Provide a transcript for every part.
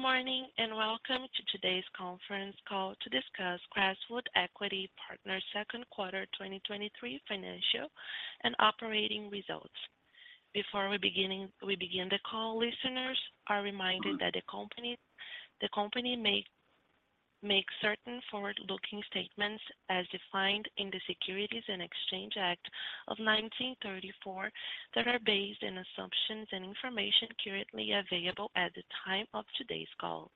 Good morning, and welcome to today's conference call to discuss Crestwood Equity Partners' second quarter 2023 financial and operating results. Before we begin the call, listeners are reminded that the company may make certain forward-looking statements as defined in the Securities Exchange Act of 1934, that are based on assumptions and information currently available at the time of today's call.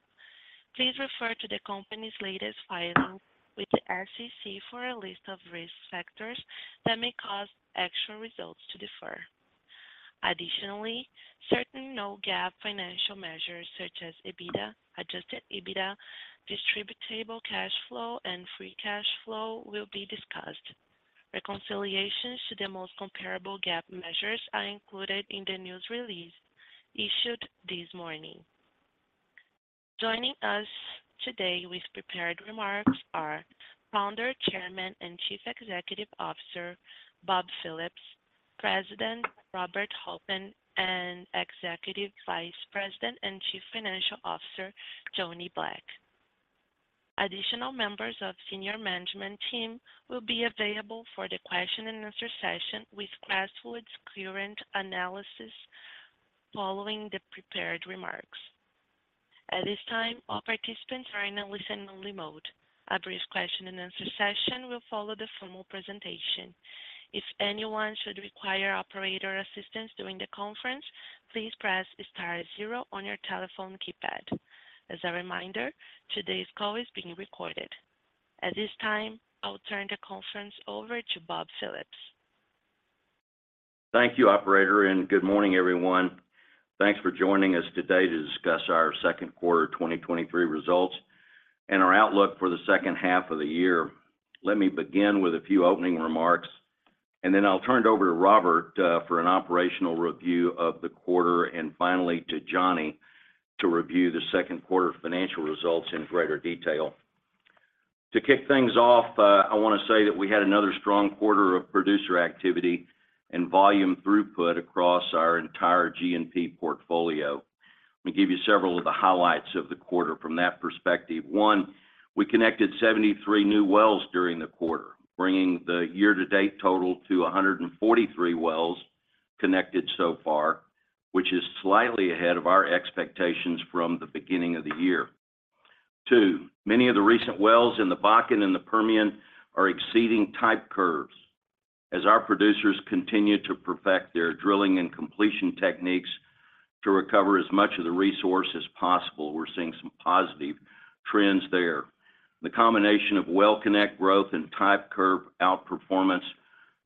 Please refer to the company's latest filing with the SEC for a list of risk factors that may cause actual results to differ. Additionally, certain non-GAAP financial measures, such as EBITDA, Adjusted EBITDA, distributable cash flow, and free cash flow, will be discussed. Reconciliations to the most comparable GAAP measures are included in the news release issued this morning. Joining us today with prepared remarks are Founder, Chairman, and Chief Executive Officer, Bob Phillips, President Robert Halpin, and Executive Vice President and Chief Financial Officer, Johnny Black. Additional members of senior management team will be available for the question and answer session, with Crestwood's current analysts following the prepared remarks. At this time, all participants are in a listen-only mode. A brief question and answer session will follow the formal presentation. If anyone should require operator assistance during the conference, please press star 0 on your telephone keypad. As a reminder, today's call is being recorded. At this time, I will turn the conference over to Bob Phillips. Thank you, operator. Good morning, everyone. Thanks for joining us today to discuss our second quarter 2023 results and our outlook for the second half of the year. Let me begin with a few opening remarks. Then I'll turn it over to Robert for an operational review of the quarter, and finally to Johnny to review the second quarter financial results in greater detail. To kick things off, I want to say that we had another strong quarter of producer activity and volume throughput across our entire G&P portfolio. Let me give you several of the highlights of the quarter from that perspective. One, we connected 73 new wells during the quarter, bringing the year-to-date total to 143 wells connected so far, which is slightly ahead of our expectations from the beginning of the year. 2, many of the recent wells in the Bakken and the Permian are exceeding type curves. As our producers continue to perfect their drilling and completion techniques to recover as much of the resource as possible, we're seeing some positive trends there. The combination of well-connected growth and type curve outperformance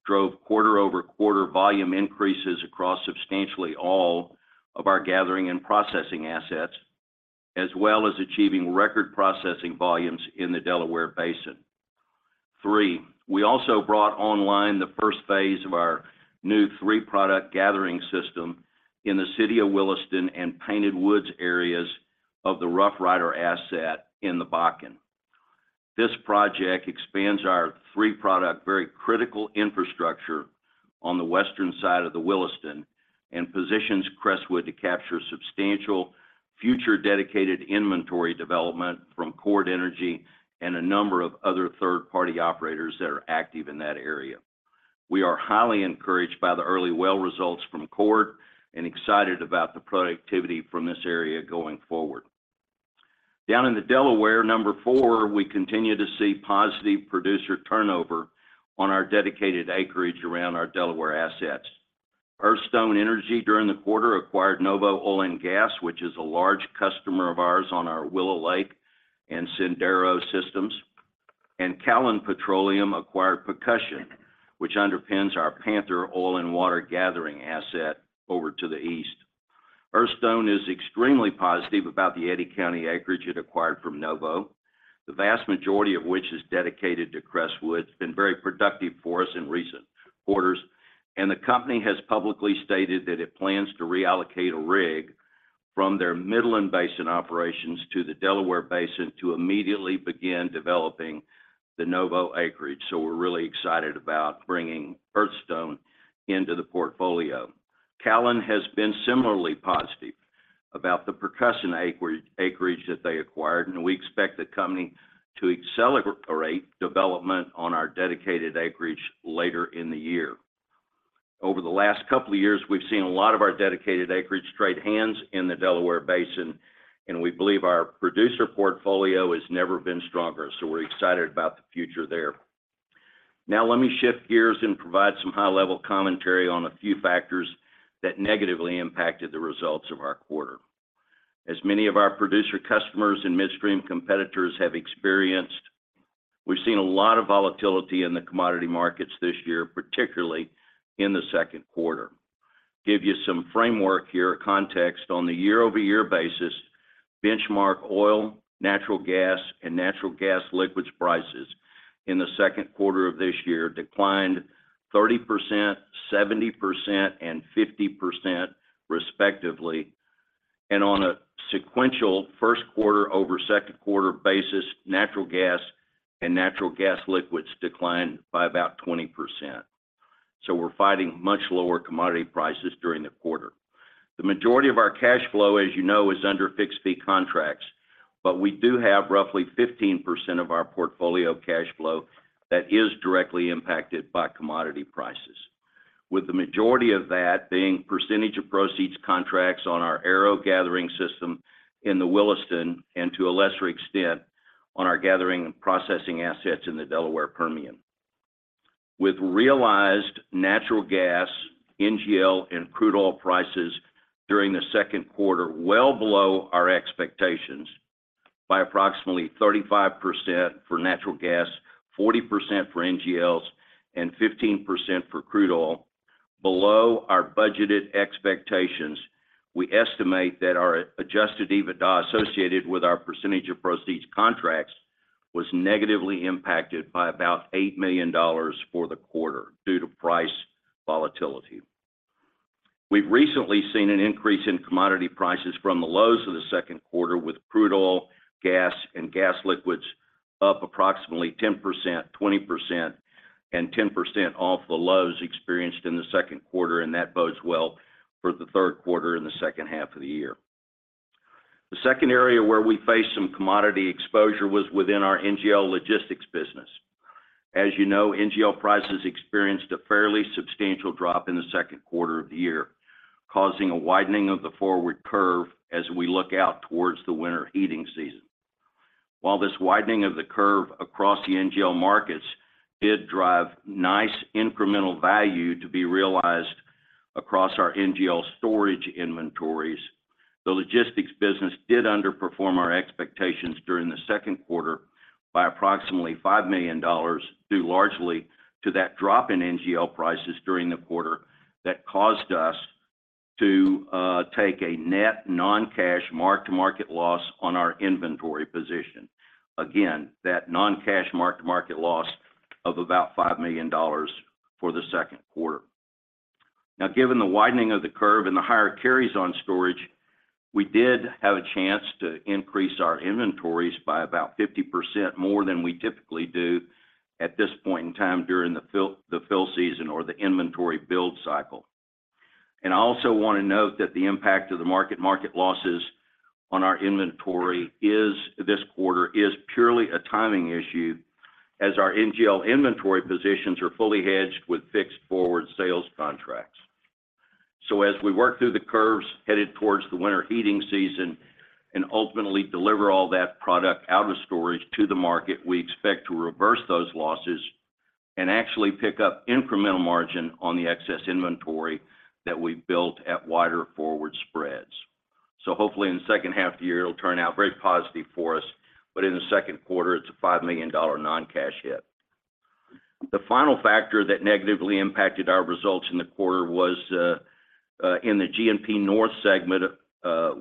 drove quarter-over-quarter volume increases across substantially all of our gathering and processing assets, as well as achieving record processing volumes in the Delaware Basin. 3, we also brought online the first phase of our new 3-product gathering system in the city of Williston and Painted Woods areas of the Rough Rider asset in the Bakken. This project expands our 3-product, very critical infrastructure on the western side of the Williston and positions Crestwood to capture substantial future dedicated inventory development from Chord Energy and a number of other third-party operators that are active in that area. We are highly encouraged by the early well results from Chord and excited about the productivity from this area going forward. Down in the Delaware, number four, we continue to see positive producer turnover on our dedicated acreage around our Delaware assets. Earthstone Energy, during the quarter, acquired Novo Oil and Gas, which is a large customer of ours on our Willow Lake and Sendero systems, and Callon Petroleum acquired Percussion, which underpins our Panther oil and water gathering asset over to the east. Earthstone is extremely positive about the Eddy County acreage it acquired from Novo, the vast majority of which is dedicated to Crestwood. It's been very productive for us in recent quarters, and the company has publicly stated that it plans to reallocate a rig from their Midland Basin operations to the Delaware Basin to immediately begin developing the Novo acreage. We're really excited about bringing Earthstone into the portfolio. Callon has been similarly positive about the Percussion acreage that they acquired, and we expect the company to accelerate development on our dedicated acreage later in the year. Over the last couple of years, we've seen a lot of our dedicated acreage trade hands in the Delaware Basin, and we believe our producer portfolio has never been stronger. We're excited about the future there. Let me shift gears and provide some high-level commentary on a few factors that negatively impacted the results of our quarter. As many of our producer customers and midstream competitors have experienced, we've seen a lot of volatility in the commodity markets this year, particularly in the second quarter. Give you some framework here, context. On the year-over-year basis, benchmark oil, natural gas, and natural gas liquids prices in the second quarter of this year declined 30%, 70%, and 50%, respectively, and on a sequential first quarter over second quarter basis, natural gas and natural gas liquids declined by about 20%. We're fighting much lower commodity prices during the quarter. The majority of our cash flow, as you know, is under fixed fee contracts, but we do have roughly 15% of our portfolio cash flow that is directly impacted by commodity prices, with the majority of that being percentage of proceeds contracts on our Arrow Gathering system in the Williston, and to a lesser extent, on our gathering and processing assets in the Delaware Permian. With realized natural gas, NGL, and crude oil prices during the second quarter well below our expectations by approximately 35% for natural gas, 40% for NGLs, and 15% for crude oil, below our budgeted expectations, we estimate that our Adjusted EBITDA associated with our percentage of proceeds contracts was negatively impacted by about $8 million for the quarter due to price volatility. We've recently seen an increase in commodity prices from the lows of the s second quarter, with crude oil, gas, and gas liquids up approximately 10%, 20%, and 10% off the lows experienced in the second quarter. That bodes well for the third quarter and the second half of the year. The second area where we faced some commodity exposure was within our NGL Logistics business. As you know, NGL prices experienced a fairly substantial drop in the second quarter of the year, causing a widening of the forward curve as we look out towards the winter heating season. While this widening of the curve across the NGL markets did drive nice incremental value to be realized across our NGL storage inventories, the logistics business did underperform our expectations during the second quarter by approximately $5 million, due largely to that drop in NGL prices during the quarter that caused us to take a net non-cash mark-to-market loss on our inventory position. Again, that non-cash mark-to-market loss of about $5 million for the second quarter. Now, given the widening of the curve and the higher carries on storage, we did have a chance to increase our inventories by about 50% more than we typically do at this point in time during the fill, the fill season or the inventory build cycle. I also want to note that the impact of the mark-to-market losses on our inventory is, this quarter, is purely a timing issue, as our NGL inventory positions are fully hedged with fixed forward sales contracts. As we work through the curves headed towards the winter heating season and ultimately deliver all that product out of storage to the market, we expect to reverse those losses and actually pick up incremental margin on the excess inventory that we built at wider forward spreads. Hopefully in the second half of the year, it'll turn out very positive for us, but in the second quarter, it's a $5 million non-cash hit. The final factor that negatively impacted our results in the quarter was in the G&P North segment,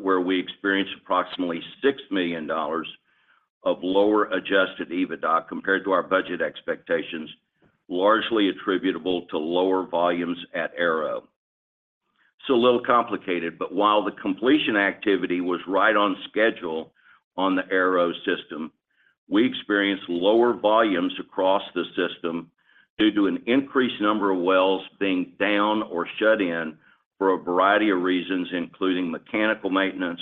where we experienced approximately $6 million of lower Adjusted EBITDA compared to our budget expectations, largely attributable to lower volumes at Arrow. It's a little complicated, while the completion activity was right on schedule on the Arrow system, we experienced lower volumes across the system due to an increased number of wells being down or shut in for a variety of reasons, including mechanical maintenance,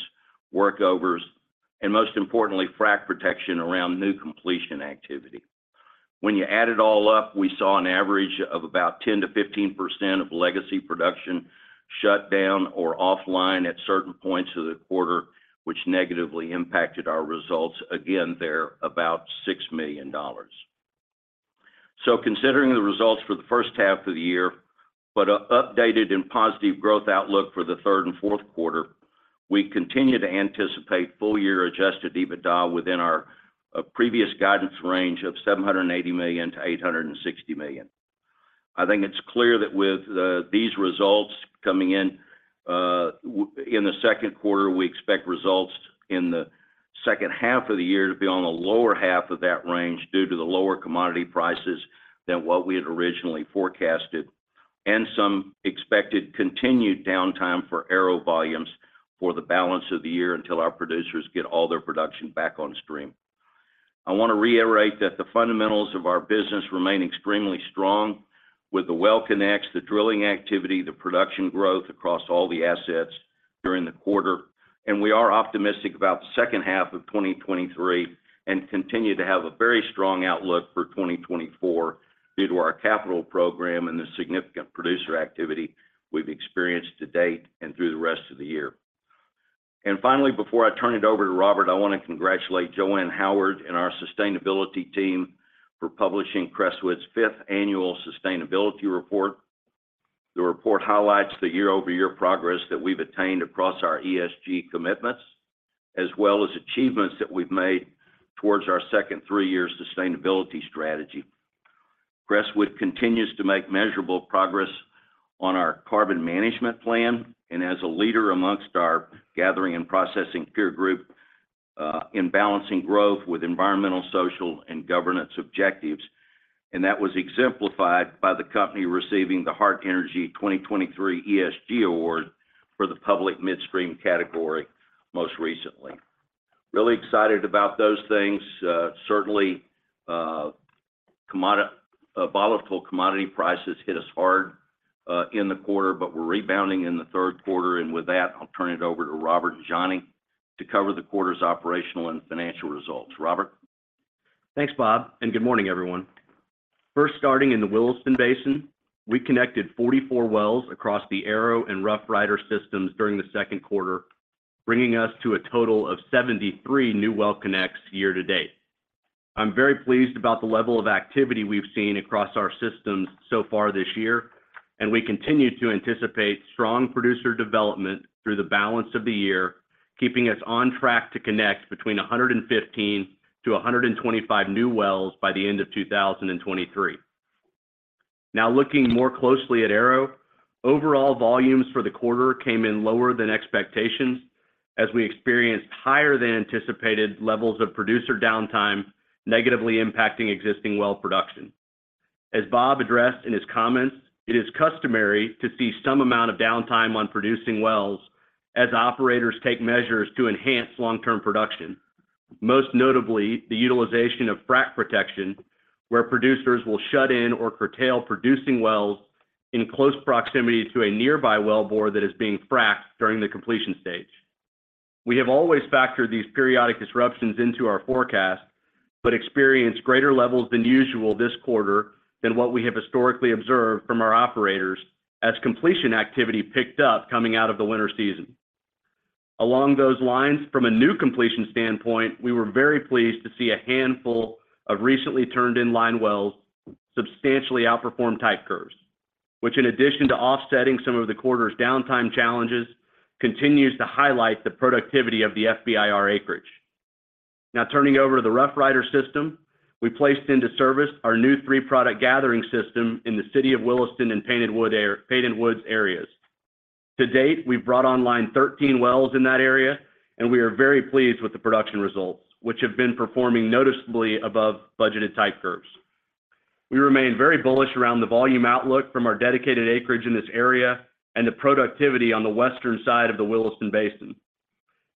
workovers, and most importantly, frack protection around new completion activity. When you add it all up, we saw an average of about 10%-15% of legacy production shut down or offline at certain points of the quarter, which negatively impacted our results. Again, they're about $6 million. Considering the results for the first half of the year, but a updated and positive growth outlook for the third and fourth quarter, we continue to anticipate full-year Adjusted EBITDA within our previous guidance range of $780 million-$860 million. I think it's clear that with these results coming in, in the second quarter, we expect results in the second half of the year to be on the lower half of that range due to the lower commodity prices than what we had originally forecasted, and some expected continued downtime for Arrow volumes for the balance of the year until our producers get all their production back on stream. I want to reiterate that the fundamentals of our business remain extremely strong with the well connects, the drilling activity, the production growth across all the assets during the quarter. We are optimistic about the second half of 2023 and continue to have a very strong outlook for 2024 due to our capital program and the significant producer activity we've experienced to date and through the rest of the year. Finally, before I turn it over to Robert, I want to congratulate Joanne Howard and our sustainability team for publishing Crestwood's fifth annual sustainability report. The report highlights the year-over-year progress that we've attained across our ESG commitments, as well as achievements that we've made towards our second 3-year sustainability strategy. Crestwood continues to make measurable progress on our carbon management plan and as a leader amongst our gathering and processing peer group, in balancing growth with environmental, social, and governance objectives. That was exemplified by the company receiving the Hart Energy 2023 ESG Award for the public midstream category most recently. Really excited about those things. Certainly, volatile commodity prices hit us hard in the quarter, but we're rebounding in the third quarter. With that, I'll turn it over to Robert and Johnny to cover the quarter's operational and financial results. Robert? Thanks, Bob. Good morning, everyone. First, starting in the Williston Basin, we connected 44 wells across the Arrow and Rough Rider systems during the second quarter, bringing us to a total of 73 new well connects year to date. I'm very pleased about the level of activity we've seen across our systems so far this year. We continue to anticipate strong producer development through the balance of the year, keeping us on track to connect between 115 to 125 new wells by the end of 2023. Now, looking more closely at Arrow, overall volumes for the quarter came in lower than expectations, as we experienced higher than anticipated levels of producer downtime, negatively impacting existing well production. As Bob addressed in his comments, it is customary to see some amount of downtime on producing wells as operators take measures to enhance long-term production. Most notably, the utilization of frack protection, where producers will shut in or curtail producing wells in close proximity to a nearby wellbore that is being fracked during the completion stage. We have always factored these periodic disruptions into our forecast, but experienced greater levels than usual this quarter than what we have historically observed from our operators as completion activity picked up coming out of the winter season. Along those lines, from a new completion standpoint, we were very pleased to see a handful of recently turned in line wells substantially outperform type curves, which in addition to offsetting some of the quarter's downtime challenges, continues to highlight the productivity of the FBIR acreage. Now, turning over to the Rough Rider System, we placed into service our new three-product gathering system in the city of Williston and Painted Woods areas. To date, we've brought online 13 wells in that area, and we are very pleased with the production results, which have been performing noticeably above budgeted type curves. We remain very bullish around the volume outlook from our dedicated acreage in this area and the productivity on the western side of the Williston Basin.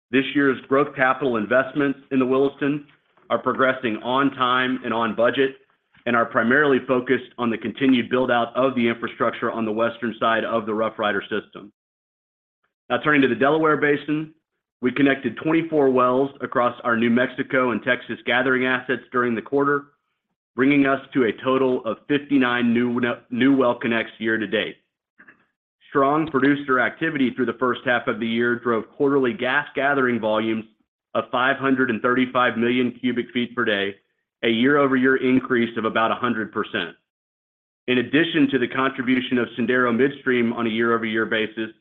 This year's growth capital investments in the Williston are progressing on time and on budget and are primarily focused on the continued build-out of the infrastructure on the western side of the Rough Rider System. Now, turning to the Delaware Basin, we connected 24 wells across our New Mexico and Texas gathering assets during the quarter, bringing us to a total of 59 new well connects year to date. Strong producer activity through the first half of the year drove quarterly gas gathering volumes of 535 million cubic feet per day, a year-over-year increase of about 100%. In addition to the contribution of Sendero Midstream on a year-over-year basis,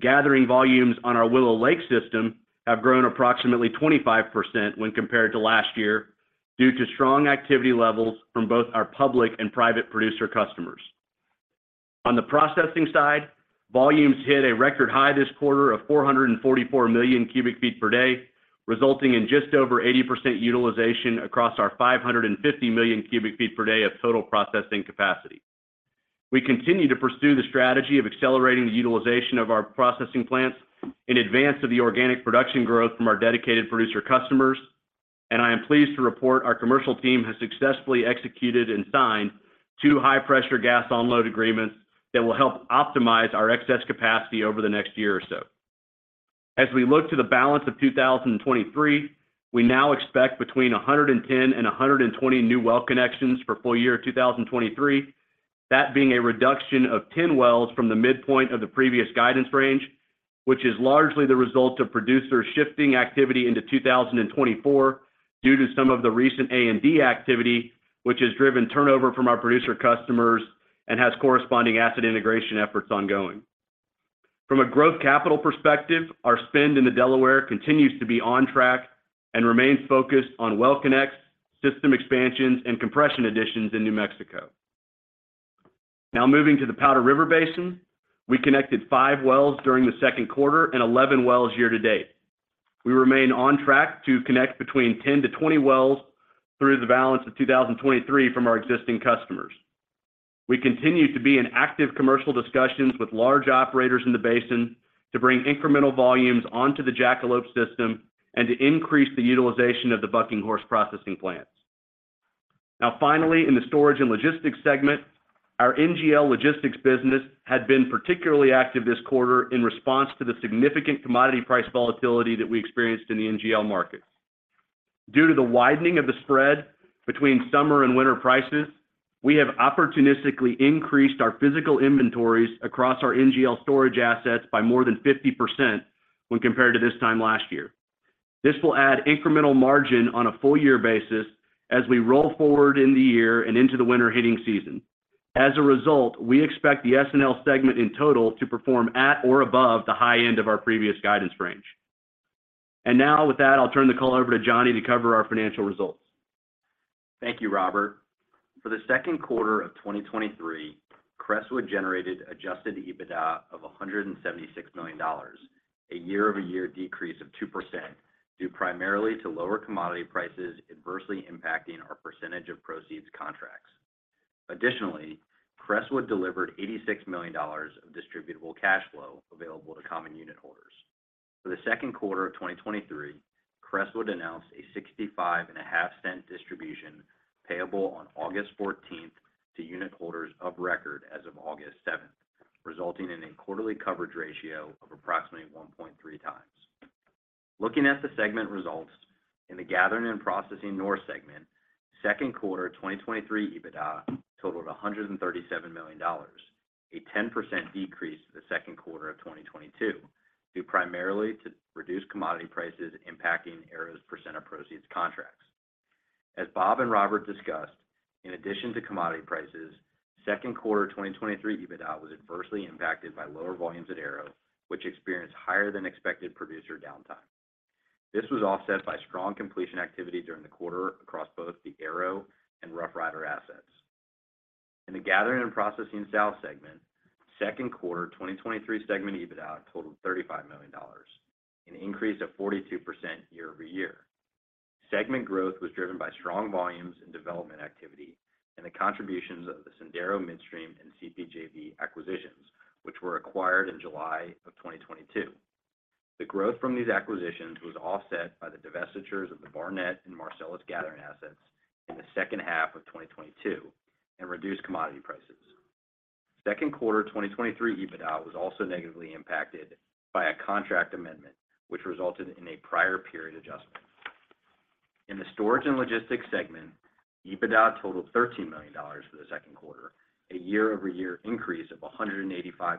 gathering volumes on our Willow Lake system have grown approximately 25% when compared to last year, due to strong activity levels from both our public and private producer customers. On the processing side, volumes hit a record high this quarter of 444 million cubic feet per day, resulting in just over 80% utilization across our 550 million cubic feet per day of total processing capacity. We continue to pursue the strategy of accelerating the utilization of our processing plants in advance of the organic production growth from our dedicated producer customers, and I am pleased to report our commercial team has successfully executed and signed two high-pressure gas unload agreements that will help optimize our excess capacity over the next year or so. As we look to the balance of 2023, we now expect between 110 and 120 new well connections for full year 2023. That being a reduction of 10 wells from the midpoint of the previous guidance range, which is largely the result of producers shifting activity into 2024 due to some of the recent A&D activity, which has driven turnover from our producer customers and has corresponding asset integration efforts ongoing. From a growth capital perspective, our spend in the Delaware continues to be on track and remains focused on well connects, system expansions, and compression additions in New Mexico. Moving to the Powder River Basin, we connected 5 wells during the second quarter and 11 wells year to date. We remain on track to connect between 10-20 wells through the balance of 2023 from our existing customers. We continue to be in active commercial discussions with large operators in the basin to bring incremental volumes onto the Jackalope system and to increase the utilization of the Bucking Horse processing plants. Finally, in the storage and logistics segment, our NGL Logistics business had been particularly active this quarter in response to the significant commodity price volatility that we experienced in the NGL markets. Due to the widening of the spread between summer and winter prices, we have opportunistically increased our physical inventories across our NGL storage assets by more than 50% when compared to this time last year. This will add incremental margin on a full year basis as we roll forward in the year and into the winter heating season. As a result, we expect the S&L segment in total to perform at or above the high end of our previous guidance range. Now, with that, I'll turn the call over to Johnny to cover our financial results. Thank you, Robert. For the second quarter of 2023, Crestwood generated Adjusted EBITDA of $176 million, a year-over-year decrease of 2%, due primarily to lower commodity prices adversely impacting our percentage of proceeds contracts. Additionally, Crestwood delivered $86 million of distributable cash flow available to common unit holders. For the second quarter of 2023, Crestwood announced a $0.655 distribution payable on August 14th to unit holders of record as of August 7th, resulting in a quarterly coverage ratio of approximately 1.3 times. Looking at the segment results, in the Gathering and Processing North segment, second quarter 2023 EBITDA totaled $137 million, a 10% decrease to the second quarter of 2022, due primarily to reduced commodity prices impacting Arrow's percent of proceeds contracts. As Bob and Robert discussed, in addition to commodity prices, second quarter 2023 EBITDA was adversely impacted by lower volumes at Arrow, which experienced higher than expected producer downtime. This was offset by strong completion activity during the quarter across both the Arrow and Rough Rider assets. In the Gathering and Processing South segment, second quarter 2023 segment EBITDA totaled $35 million, an increase of 42% year-over-year. Segment growth was driven by strong volumes and development activity, and the contributions of the Sendero Midstream and CPJV acquisitions, which were acquired in July of 2022. The growth from these acquisitions was offset by the divestitures of the Barnett and Marcellus gathering assets in the second half of 2022 and reduced commodity prices. Second quarter 2023 EBITDA was also negatively impacted by a contract amendment, which resulted in a prior period adjustment. In the storage and logistics segment, EBITDA totaled $13 million for the second quarter, a year-over-year increase of 185%.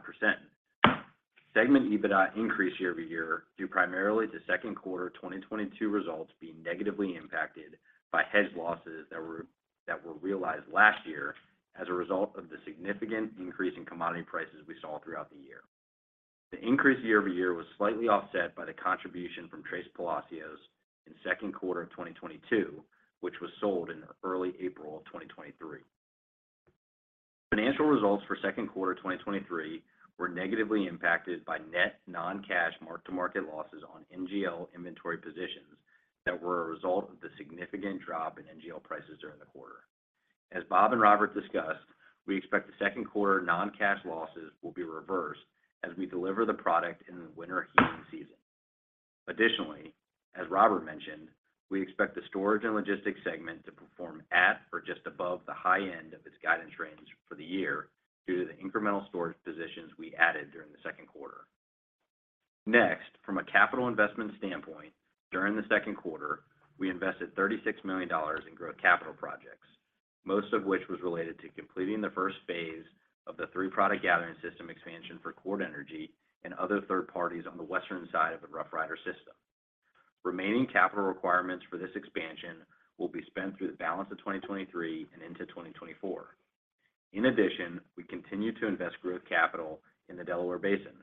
Segment EBITDA increased year-over-year, due primarily to second quarter 2022 results being negatively impacted by hedge losses that were realized last year as a result of the significant increase in commodity prices we saw throughout the year. The increase year-over-year was slightly offset by the contribution from Tres Palacios in second quarter 2022, which was sold in early April 2023. Financial results for second quarter 2023 were negatively impacted by net non-cash mark-to-market losses on NGL inventory positions that were a result of the significant drop in NGL prices during the quarter. As Bob and Robert discussed, we expect the second quarter non-cash losses will be reversed as we deliver the product in the winter heating season. Additionally, as Robert mentioned, we expect the storage and logistics segment to perform at or just above the high end of its guidance range for the year, due to the incremental storage positions we added during the second quarter. Next, from a capital investment standpoint, during the second quarter, we invested $36 million in growth capital projects, most of which was related to completing the first phase of the three-product gathering system expansion for Chord Energy and other third parties on the western side of the Rough Rider System. Remaining capital requirements for this expansion will be spent through the balance of 2023 and into 2024. We continue to invest growth capital in the Delaware Basin,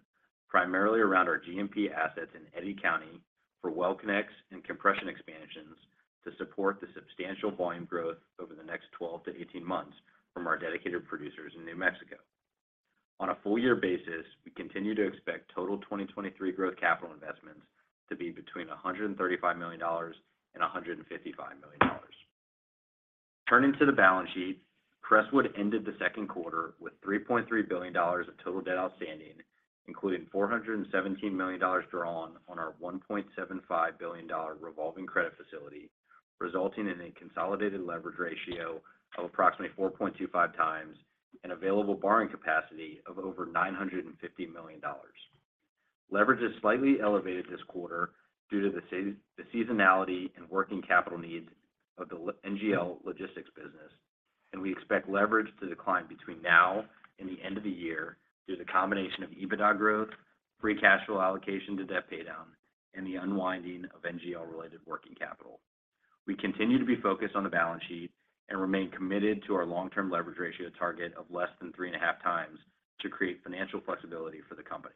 primarily around our G&P assets in Eddy County for well connects and compression expansions to support the substantial volume growth over the next 12 to 18 months from our dedicated producers in New Mexico. On a full year basis, we continue to expect total 2023 growth capital investments to be between $135 million and $155 million. Turning to the balance sheet, Crestwood ended the second quarter with $3.3 billion of total debt outstanding, including $417 million drawn on our $1.75 billion revolving credit facility, resulting in a consolidated leverage ratio of approximately 4.25x and available borrowing capacity of over $950 million. Leverage is slightly elevated this quarter due to the seasonality and working capital needs of the NGL Logistics business, and we expect leverage to decline between now and the end of the year due to the combination of EBITDA growth, free cash flow allocation to debt paydown, and the unwinding of NGL-related working capital. We continue to be focused on the balance sheet and remain committed to our long-term leverage ratio target of less than 3.5 times to create financial flexibility for the company.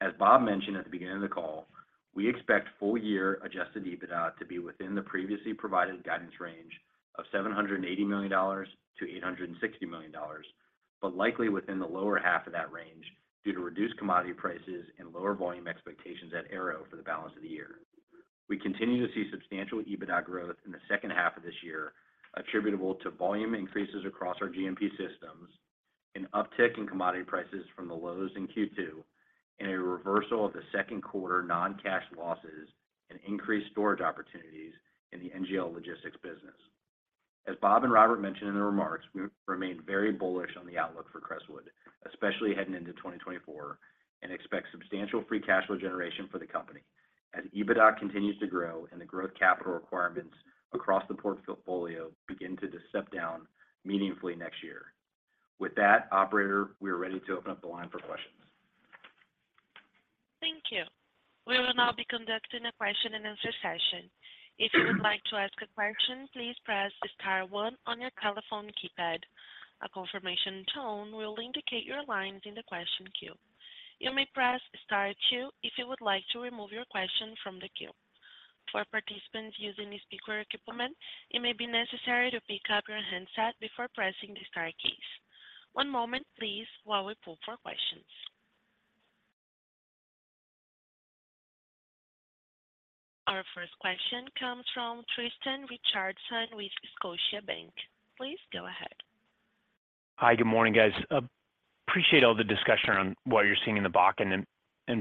As Bob mentioned at the beginning of the call, we expect full-year Adjusted EBITDA to be within the previously provided guidance range of $780 million-$860 million, but likely within the lower half of that range due to reduced commodity prices and lower volume expectations at Arrow for the balance of the year. We continue to see substantial EBITDA growth in the second half of this year, attributable to volume increases across our GMP systems, an uptick in commodity prices from the lows in Q2, and a reversal of the second quarter non-cash losses and increased storage opportunities in the NGL Logistics Business. As Bob and Robert mentioned in their remarks, we remain very bullish on the outlook for Crestwood, especially heading into 2024, and expect substantial free cash flow generation for the company, as EBITDA continues to grow and the growth capital requirements across the portfolio begin to just step down meaningfully next year. With that, operator, we are ready to open up the line for questions. Thank you. We will now be conducting a question and answer session. If you would like to ask a question, please press star one on your telephone keypad. A confirmation tone will indicate your line is in the question queue. You may press Star two if you would like to remove your question from the queue. For participants using a speaker equipment, it may be necessary to pick up your handset before pressing the star keys. One moment please, while we pull for questions.... Our first question comes from Tristan Richardson with Scotiabank. Please go ahead. Hi, good morning, guys. Appreciate all the discussion around what you're seeing in the Bakken.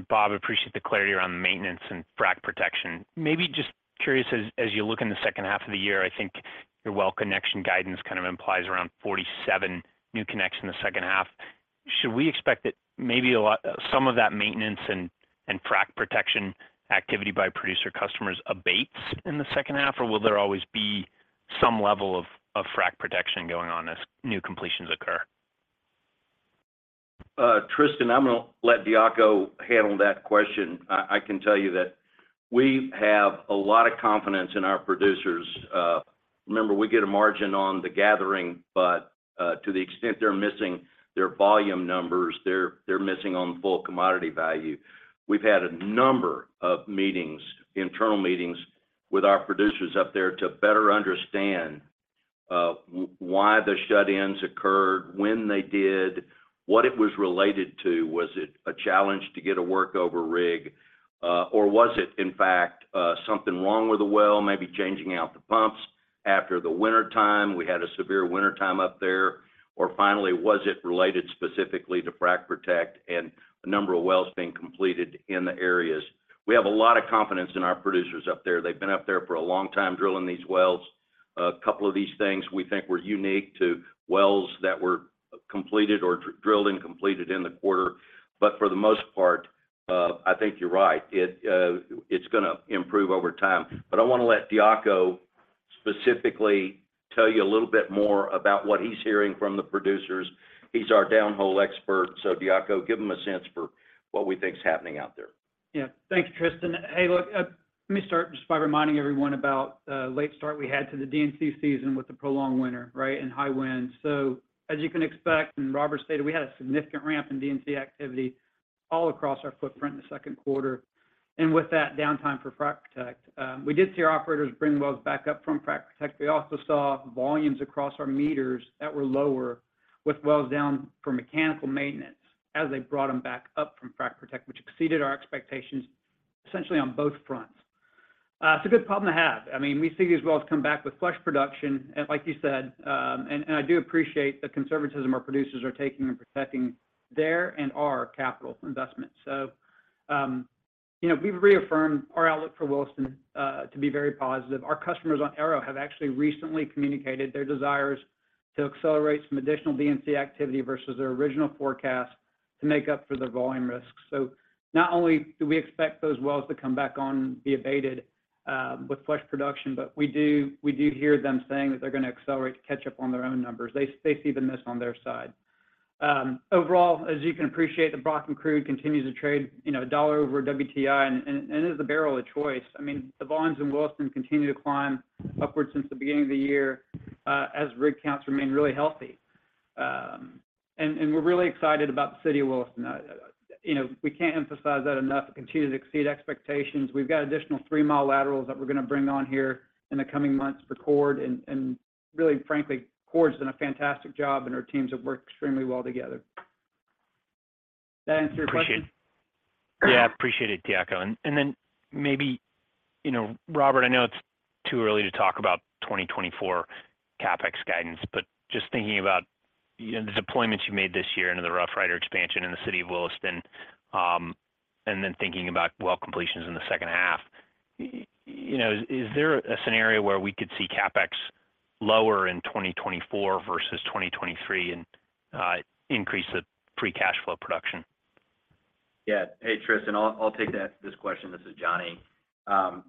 Bob, appreciate the clarity around the maintenance and frac protection. Maybe just curious, as you look in the second half of the year, I think your well connection guidance kind of implies around 47 new connections in the second half. Should we expect that maybe some of that maintenance and frac protection activity by producer customers abates in the second half? Or will there always be some level of frac protection going on as new completions occur? Tristan, I'm gonna let Diogo handle that question. I, I can tell you that we have a lot of confidence in our producers. Remember, we get a margin on the gathering, but to the extent they're missing their volume numbers, they're, they're missing on full commodity value. We've had a number of meetings, internal meetings, with our producers up there to better understand why the shut-ins occurred, when they did, what it was related to. Was it a challenge to get a workover rig? Or was it, in fact, something wrong with the well, maybe changing out the pumps after the wintertime? We had a severe wintertime up there. Or finally, was it related specifically to frac protect and the number of wells being completed in the areas? We have a lot of confidence in our producers up there. They've been up there for a long time, drilling these wells. A couple of these things we think were unique to wells that were completed or drilled and completed in the quarter. For the most part, I think you're right. It's gonna improve over time. I want to let Diogo specifically tell you a little bit more about what he's hearing from the producers. He's our downhole expert. Diogo, give him a sense for what we think is happening out there. Yeah. Thanks, Tristan. Hey, look, let me start just by reminding everyone about the late start we had to the D&C season with the prolonged winter, right, and high winds. As you can expect, and Robert stated, we had a significant ramp in D&C activity all across our footprint in the second quarter, and with that, downtime for frac protect. We did see our operators bring wells back up from frac protect. We also saw volumes across our meters that were lower, with wells down for mechanical maintenance as they brought them back up from frac protect, which exceeded our expectations, essentially on both fronts. It's a good problem to have. I mean, we see these wells come back with flush production, and like you said. I do appreciate the conservatism our producers are taking in protecting their and our capital investment. You know, we've reaffirmed our outlook for Williston to be very positive. Our customers on Arrow have actually recently communicated their desires to accelerate some additional D&C activity versus their original forecast to make up for their volume risks. Not only do we expect those wells to come back on, be abated, with flush production, but we do, we do hear them saying that they're gonna accelerate to catch up on their own numbers. They, they see the miss on their side. Overall, as you can appreciate, the Bakken crude continues to trade, you know, $1 over WTI, and, and, and is the barrel of choice. I mean, the volumes in Williston continue to climb upwards since the beginning of the year, as rig counts remain really healthy. We're really excited about the city of Williston. You know, we can't emphasize that enough. It continues to exceed expectations. We've got additional three-mile laterals that we're gonna bring on here in the coming months for Chord. Really, frankly, Chord's done a fantastic job, and our teams have worked extremely well together. Does that answer your question? Appreciate. Yeah, appreciate it, Diogo. Then maybe, you know, Robert, I know it's too early to talk about 2024 CapEx guidance, but just thinking about, you know, the deployments you made this year into the Rough Rider expansion in the city of Williston, and then thinking about well completions in the second half, you know, is there a scenario where we could see CapEx lower in 2024 versus 2023, and increase the free cash flow production? Yeah. Hey, Tristan, I'll take this question. This is Johnny.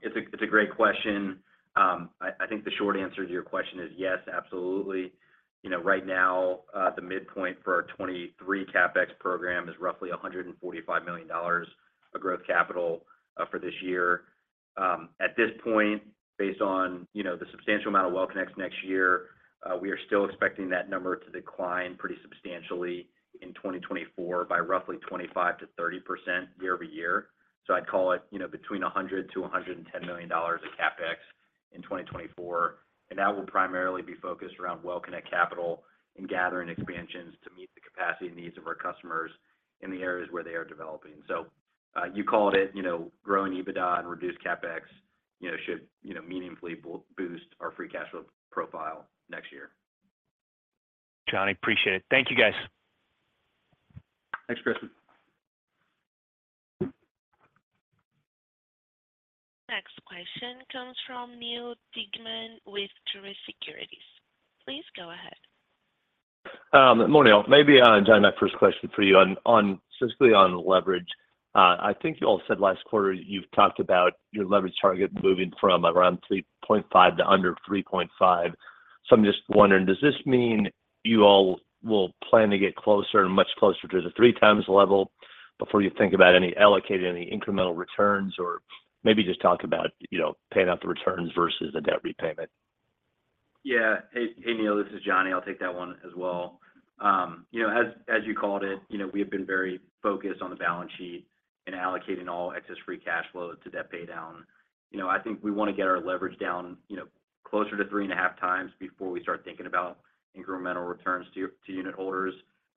It's a, it's a great question. I, I think the short answer to your question is yes, absolutely. You know, right now, the midpoint for our 2023 CapEx program is roughly $145 million of growth capital for this year. At this point, based on, you know, the substantial amount of well connects next year, we are still expecting that number to decline pretty substantially in 2024 by roughly 25% -30% year-over-year. I'd call it, you know, between $100 million-$110 million of CapEx in 2024, and that will primarily be focused around well connect capital and gathering expansions to meet the capacity needs of our customers in the areas where they are developing. You called it, you know, growing EBITDA and reduced CapEx, you know, should, you know, meaningfully boost our free cash flow profile next year. Johnny, appreciate it. Thank you, guys. Thanks, Tristan. Next question comes from Neal Dingmann with Truist Securities. Please go ahead. Good morning, all. Maybe, Johnny, my first question for you on, on-- specifically on leverage. I think you all said last quarter, you've talked about your leverage target moving from around 3.5 to under 3.5. I'm just wondering, does this mean you all will plan to get closer and much closer to the 3x level before you think about any allocating any incremental returns? Or maybe just talk about, you know, paying out the returns versus the debt repayment. Yeah. Hey, hey, Neal, this is Johnny. I'll take that one as well. You know, as, as you called it, you know, we have been very focused on the balance sheet and allocating all excess free cash flow to debt paydown. You know, I think we want to get our leverage down, you know, closer to 3.5 times before we start thinking about incremental returns to u- to unitholders.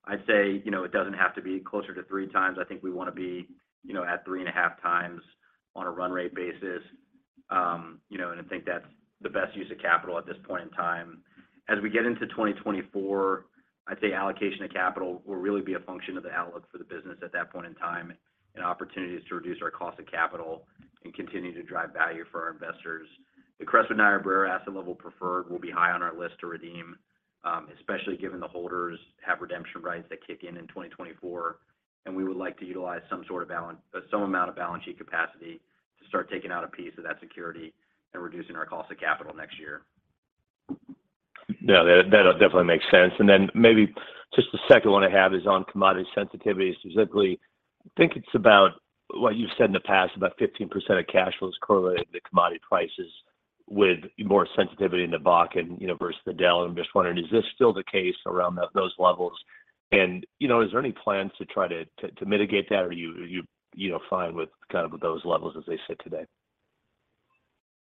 I'd say, you know, it doesn't have to be closer to 3 times. I think we wanna be, you know, at 3.5 times on a run rate basis. You know, and I think that's the best use of capital at this point in time. As we get into 2024, I'd say allocation of capital will really be a function of the outlook for the business at that point in time, and opportunities to reduce our cost of capital and continue to drive value for our investors. The Crestwood Niobrara Preferred asset-level preferred will be high on our list to redeem, especially given the holders have redemption rights that kick in in 2024, and we would like to utilize some amount of balance sheet capacity to start taking out a piece of that security and reducing our cost of capital next year. Yeah, that, that definitely makes sense. Then maybe just the second one I have is on commodity sensitivity. Specifically, I think it's about what you've said in the past, about 15% of cash flows correlated to commodity prices with more sensitivity in the Bakken, you know, versus the Dell. I'm just wondering, is this still the case around those levels? You know, is there any plans to try to mitigate that, or are you, you know, fine with kind of those levels as they sit today?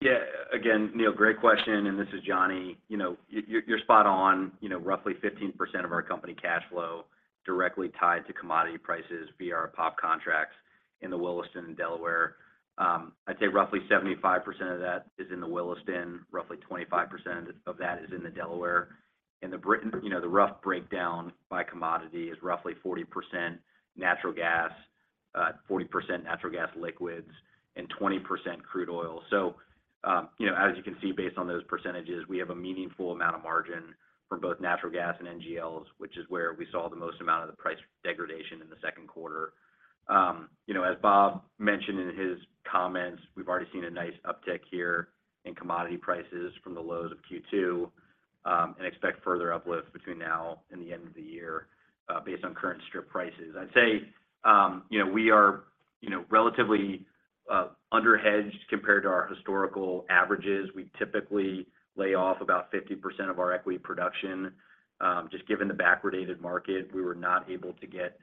Yeah. Again, Neal, great question. This is Johnny. You know, you're spot on. You know, roughly 15% of our company cash flow directly tied to commodity prices via our POP contracts in the Williston and Delaware. I'd say roughly 75% of that is in the Williston, roughly 25% of that is in the Delaware. The Barnett, you know, the rough breakdown by commodity is roughly 40% natural gas, 40% natural gas liquids, and 20% crude oil. You know, as you can see, based on those percentages, we have a meaningful amount of margin for both natural gas and NGLs, which is where we saw the most amount of the price degradation in the second quarter. You know, as Bob mentioned in his comments, we've already seen a nice uptick here in commodity prices from the lows of Q2, and expect further uplift between now and the end of the year, based on current strip prices. I'd say, you know, we are, you know, relatively under-hedged compared to our historical averages. We typically lay off about 50% of our equity production. Just given the backwardated market, we were not able to get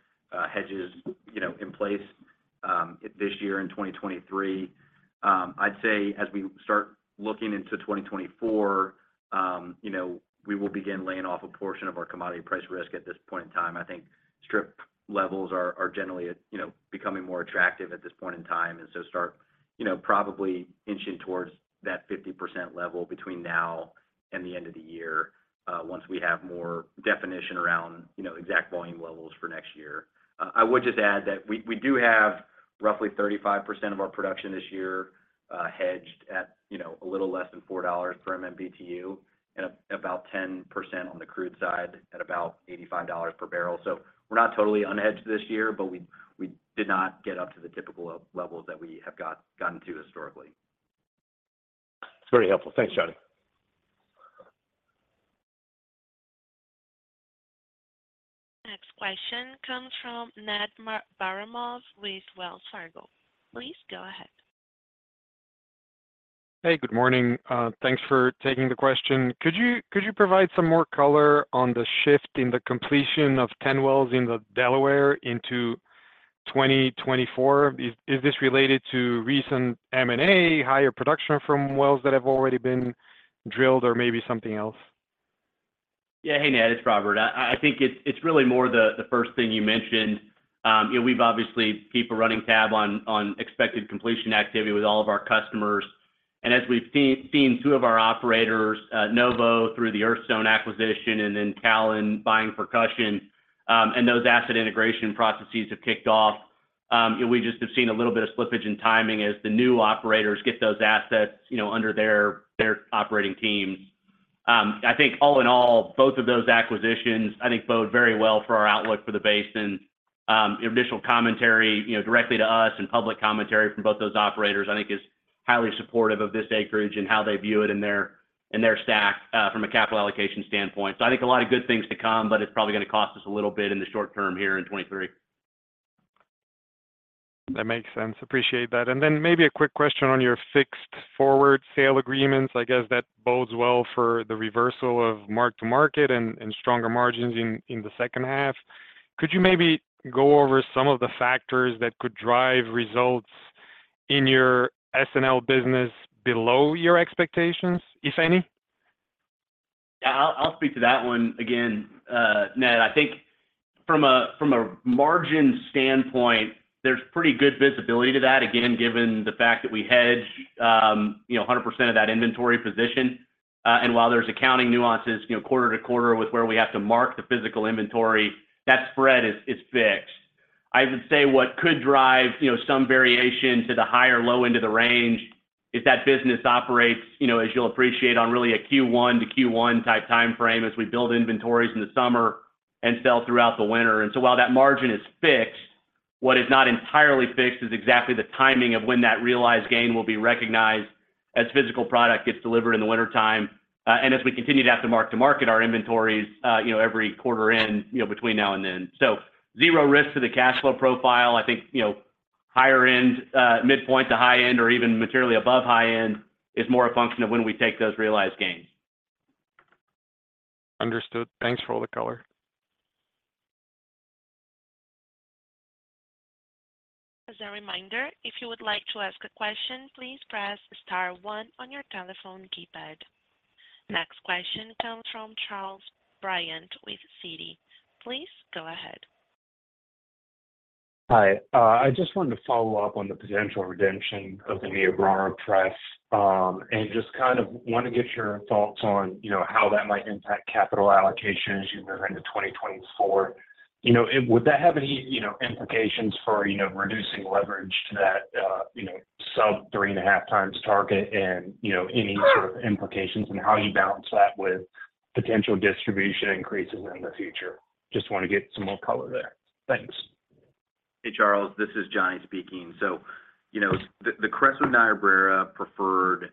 hedges, you know, in place this year in 2023. I'd say as we start looking into 2024, you know, we will begin laying off a portion of our commodity price risk at this point in time. I think strip levels are, are generally at, you know, becoming more attractive at this point in time, and so start, you know, probably inching towards that 50% level between now and the end of the year, once we have more definition around, you know, exact volume levels for next year. I would just add that we, we do have roughly 35% of our production this year, hedged at, you know, a little less than $4 per MMBtu, and about 10% on the crude side at about $85 per barrel. We're not totally unhedged this year, but we, we did not get up to the typical levels that we have gotten to historically. It's very helpful. Thanks, Johnny. Next question comes from Ned Baramov with Wells Fargo. Please go ahead. Hey, good morning. Thanks for taking the question. Could you, could you provide some more color on the shift in the completion of 10 wells in the Delaware into 2024? Is, is this related to recent M&A, higher production from wells that have already been drilled, or maybe something else? Yeah. Hey, Ned, it's Robert. I, I think it's, it's really more the, the first thing you mentioned. You know, we've obviously keep a running tab on, on expected completion activity with all of our customers, and as we've seen, seen two of our operators, Novo, through the Earthstone acquisition, and then Callon buying Percussion, and those asset integration processes have kicked off. We just have seen a little bit of slippage in timing as the new operators get those assets, you know, under their, their operating teams. I think all in all, both of those acquisitions, I think, bode very well for our outlook for the basin. Initial commentary, you know, directly to us and public commentary from both those operators, I think is highly supportive of this acreage and how they view it in their, in their stack, from a capital allocation standpoint. I think a lot of good things to come, but it's probably gonna cost us a little bit in the short term here in 2023. That makes sense. Appreciate that. Then maybe a quick question on your fixed forward sale agreements. I guess that bodes well for the reversal of mark to market and, and stronger margins in, in the second half. Could you maybe go over some of the factors that could drive results in your S&L business below your expectations, if any? Yeah, I'll, I'll speak to that one again, Ned. I think from a, from a margin standpoint, there's pretty good visibility to that, again, given the fact that we hedge, you know, 100% of that inventory position. While there's accounting nuances, you know, quarter to quarter with where we have to mark the physical inventory, that spread is, is fixed. I would say what could drive, you know, some variation to the high or low end of the range, if that business operates, you know, as you'll appreciate, on really a Q1 to Q1 type timeframe as we build inventories in the summer and sell throughout the winter. While that margin is fixed, what is not entirely fixed is exactly the timing of when that realized gain will be recognized as physical product gets delivered in the wintertime, and as we continue to have to mark to market our inventories, you know, every quarter end, you know, between now and then. Zero risk to the cash flow profile. I think, you know, higher end, midpoint to high end, or even materially above high end, is more a function of when we take those realized gains. Understood. Thanks for all the color. As a reminder, if you would like to ask a question, please press star one on your telephone keypad. Next question comes from Charles Bryant with Citi. Please go ahead. Hi. I just wanted to follow up on the potential redemption of the Niobrara pref, and just kind of want to get your thoughts on, you know, how that might impact capital allocation as you move into 2024, you know, and would that have any, you know, implications for, you know, reducing leverage to that, you know, sub 3.5 times target and, you know, any sort of implications and how you balance that with potential distribution increases in the future? Just want to get some more color there. Thanks. Hey, Charles, this is Johnny speaking. you know, the Crestwood Niobrara Preferred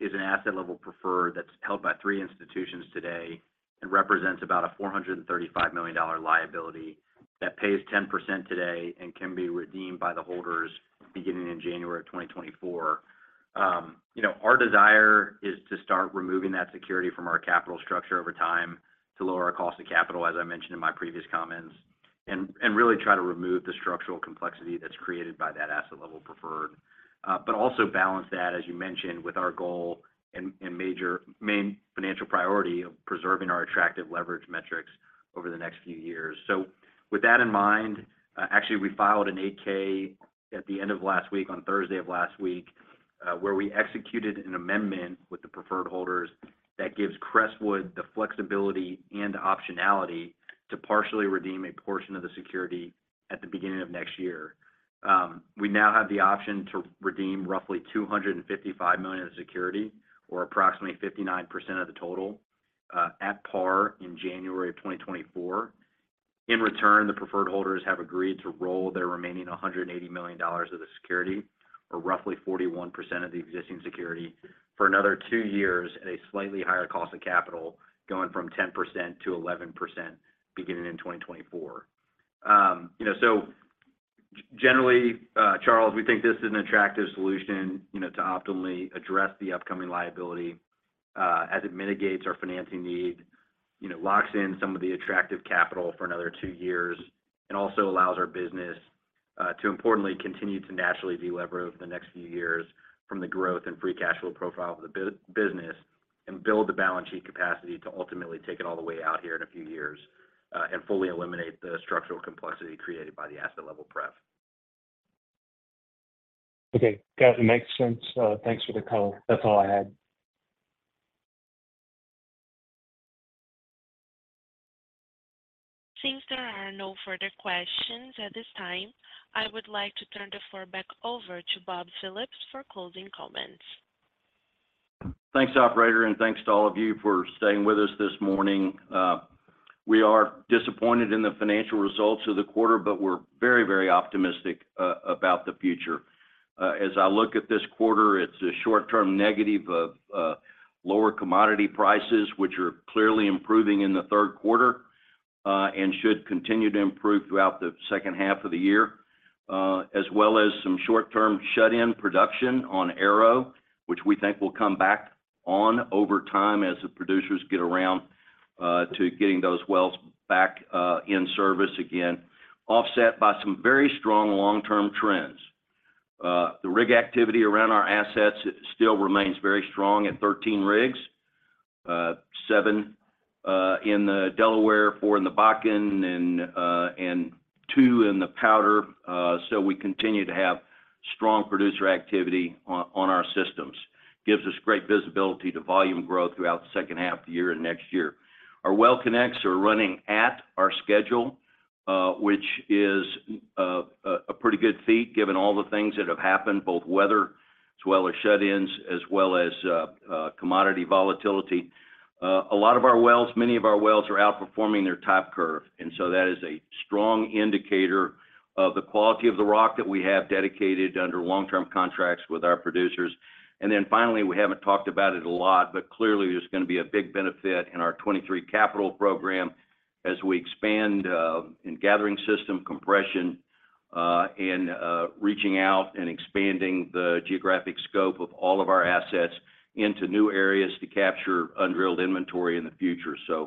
is an asset-level preferred that's held by three institutions today and represents about a $435 million liability that pays 10% today and can be redeemed by the holders beginning in January 2024. You know, our desire is to start removing that security from our capital structure over time to lower our cost of capital, as I mentioned in my previous comments, and really try to remove the structural complexity that's created by that asset-level preferred. also balance that, as you mentioned, with our goal and main financial priority of preserving our attractive leverage metrics over the next few years. With that in mind, actually, we filed an 8-K at the end of last week, on Thursday of last week, where we executed an amendment with the preferred holders that gives Crestwood the flexibility and optionality to partially redeem a portion of the security at the beginning of next year. We now have the option to redeem roughly $255 million of security, or approximately 59% of the total, at par in January of 2024. In return, the preferred holders have agreed to roll their remaining $180 million of the security, or roughly 41% of the existing security, for another 2 years at a slightly higher cost of capital, going from 10% to 11% beginning in 2024. You know, so generally, Charles, we think this is an attractive solution, you know, to optimally address the upcoming liability, as it mitigates our financing need, you know, locks in some of the attractive capital for another 2 years, and also allows our business to importantly continue to naturally delever over the next few years from the growth and free cash flow profile of the business, and build the balance sheet capacity to ultimately take it all the way out here in a few years, and fully eliminate the structural complexity created by the asset-level pref. Okay, got it. Makes sense. Thanks for the color. That's all I had. Since there are no further questions at this time, I would like to turn the floor back over to Bob Phillips for closing comments. Thanks, operator, thanks to all of you for staying with us this morning. We are disappointed in the financial results of the quarter, but we're very, very optimistic about the future. As I look at this quarter, it's a short-term negative of lower commodity prices, which are clearly improving in the third quarter, and should continue to improve throughout the second half of the year, as well as some short-term shut-in production on Arrow, which we think will come back on over time as the producers get around to getting those wells back in service again, offset by some very strong long-term trends. The rig activity around our assets still remains very strong at 13 rigs, 7 in the Delaware, 4 in the Bakken, and 2 in the Powder. We continue to have strong producer activity on our systems. Gives us great visibility to volume growth throughout the second half of the year and next year. Our well connects are running at our schedule, which is a pretty good feat given all the things that have happened, both weather as well as shut-ins, as well as commodity volatility. A lot of our wells, many of our wells are outperforming their type curve, and so that is a strong indicator of the quality of the rock that we have dedicated under long-term contracts with our producers. Then, finally, we haven't talked about it a lot, but clearly, there's going to be a big benefit in our 2023 capital program as we expand in gathering system compression, and reaching out and expanding the geographic scope of all of our assets into new areas to capture undrilled inventory in the future. A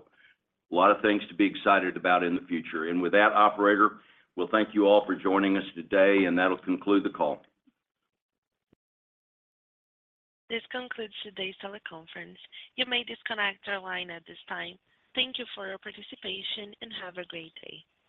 lot of things to be excited about in the future. With that, operator, well, thank you all for joining us today, and that'll conclude the call. This concludes today's teleconference. You may disconnect your line at this time. Thank you for your participation, and have a great day.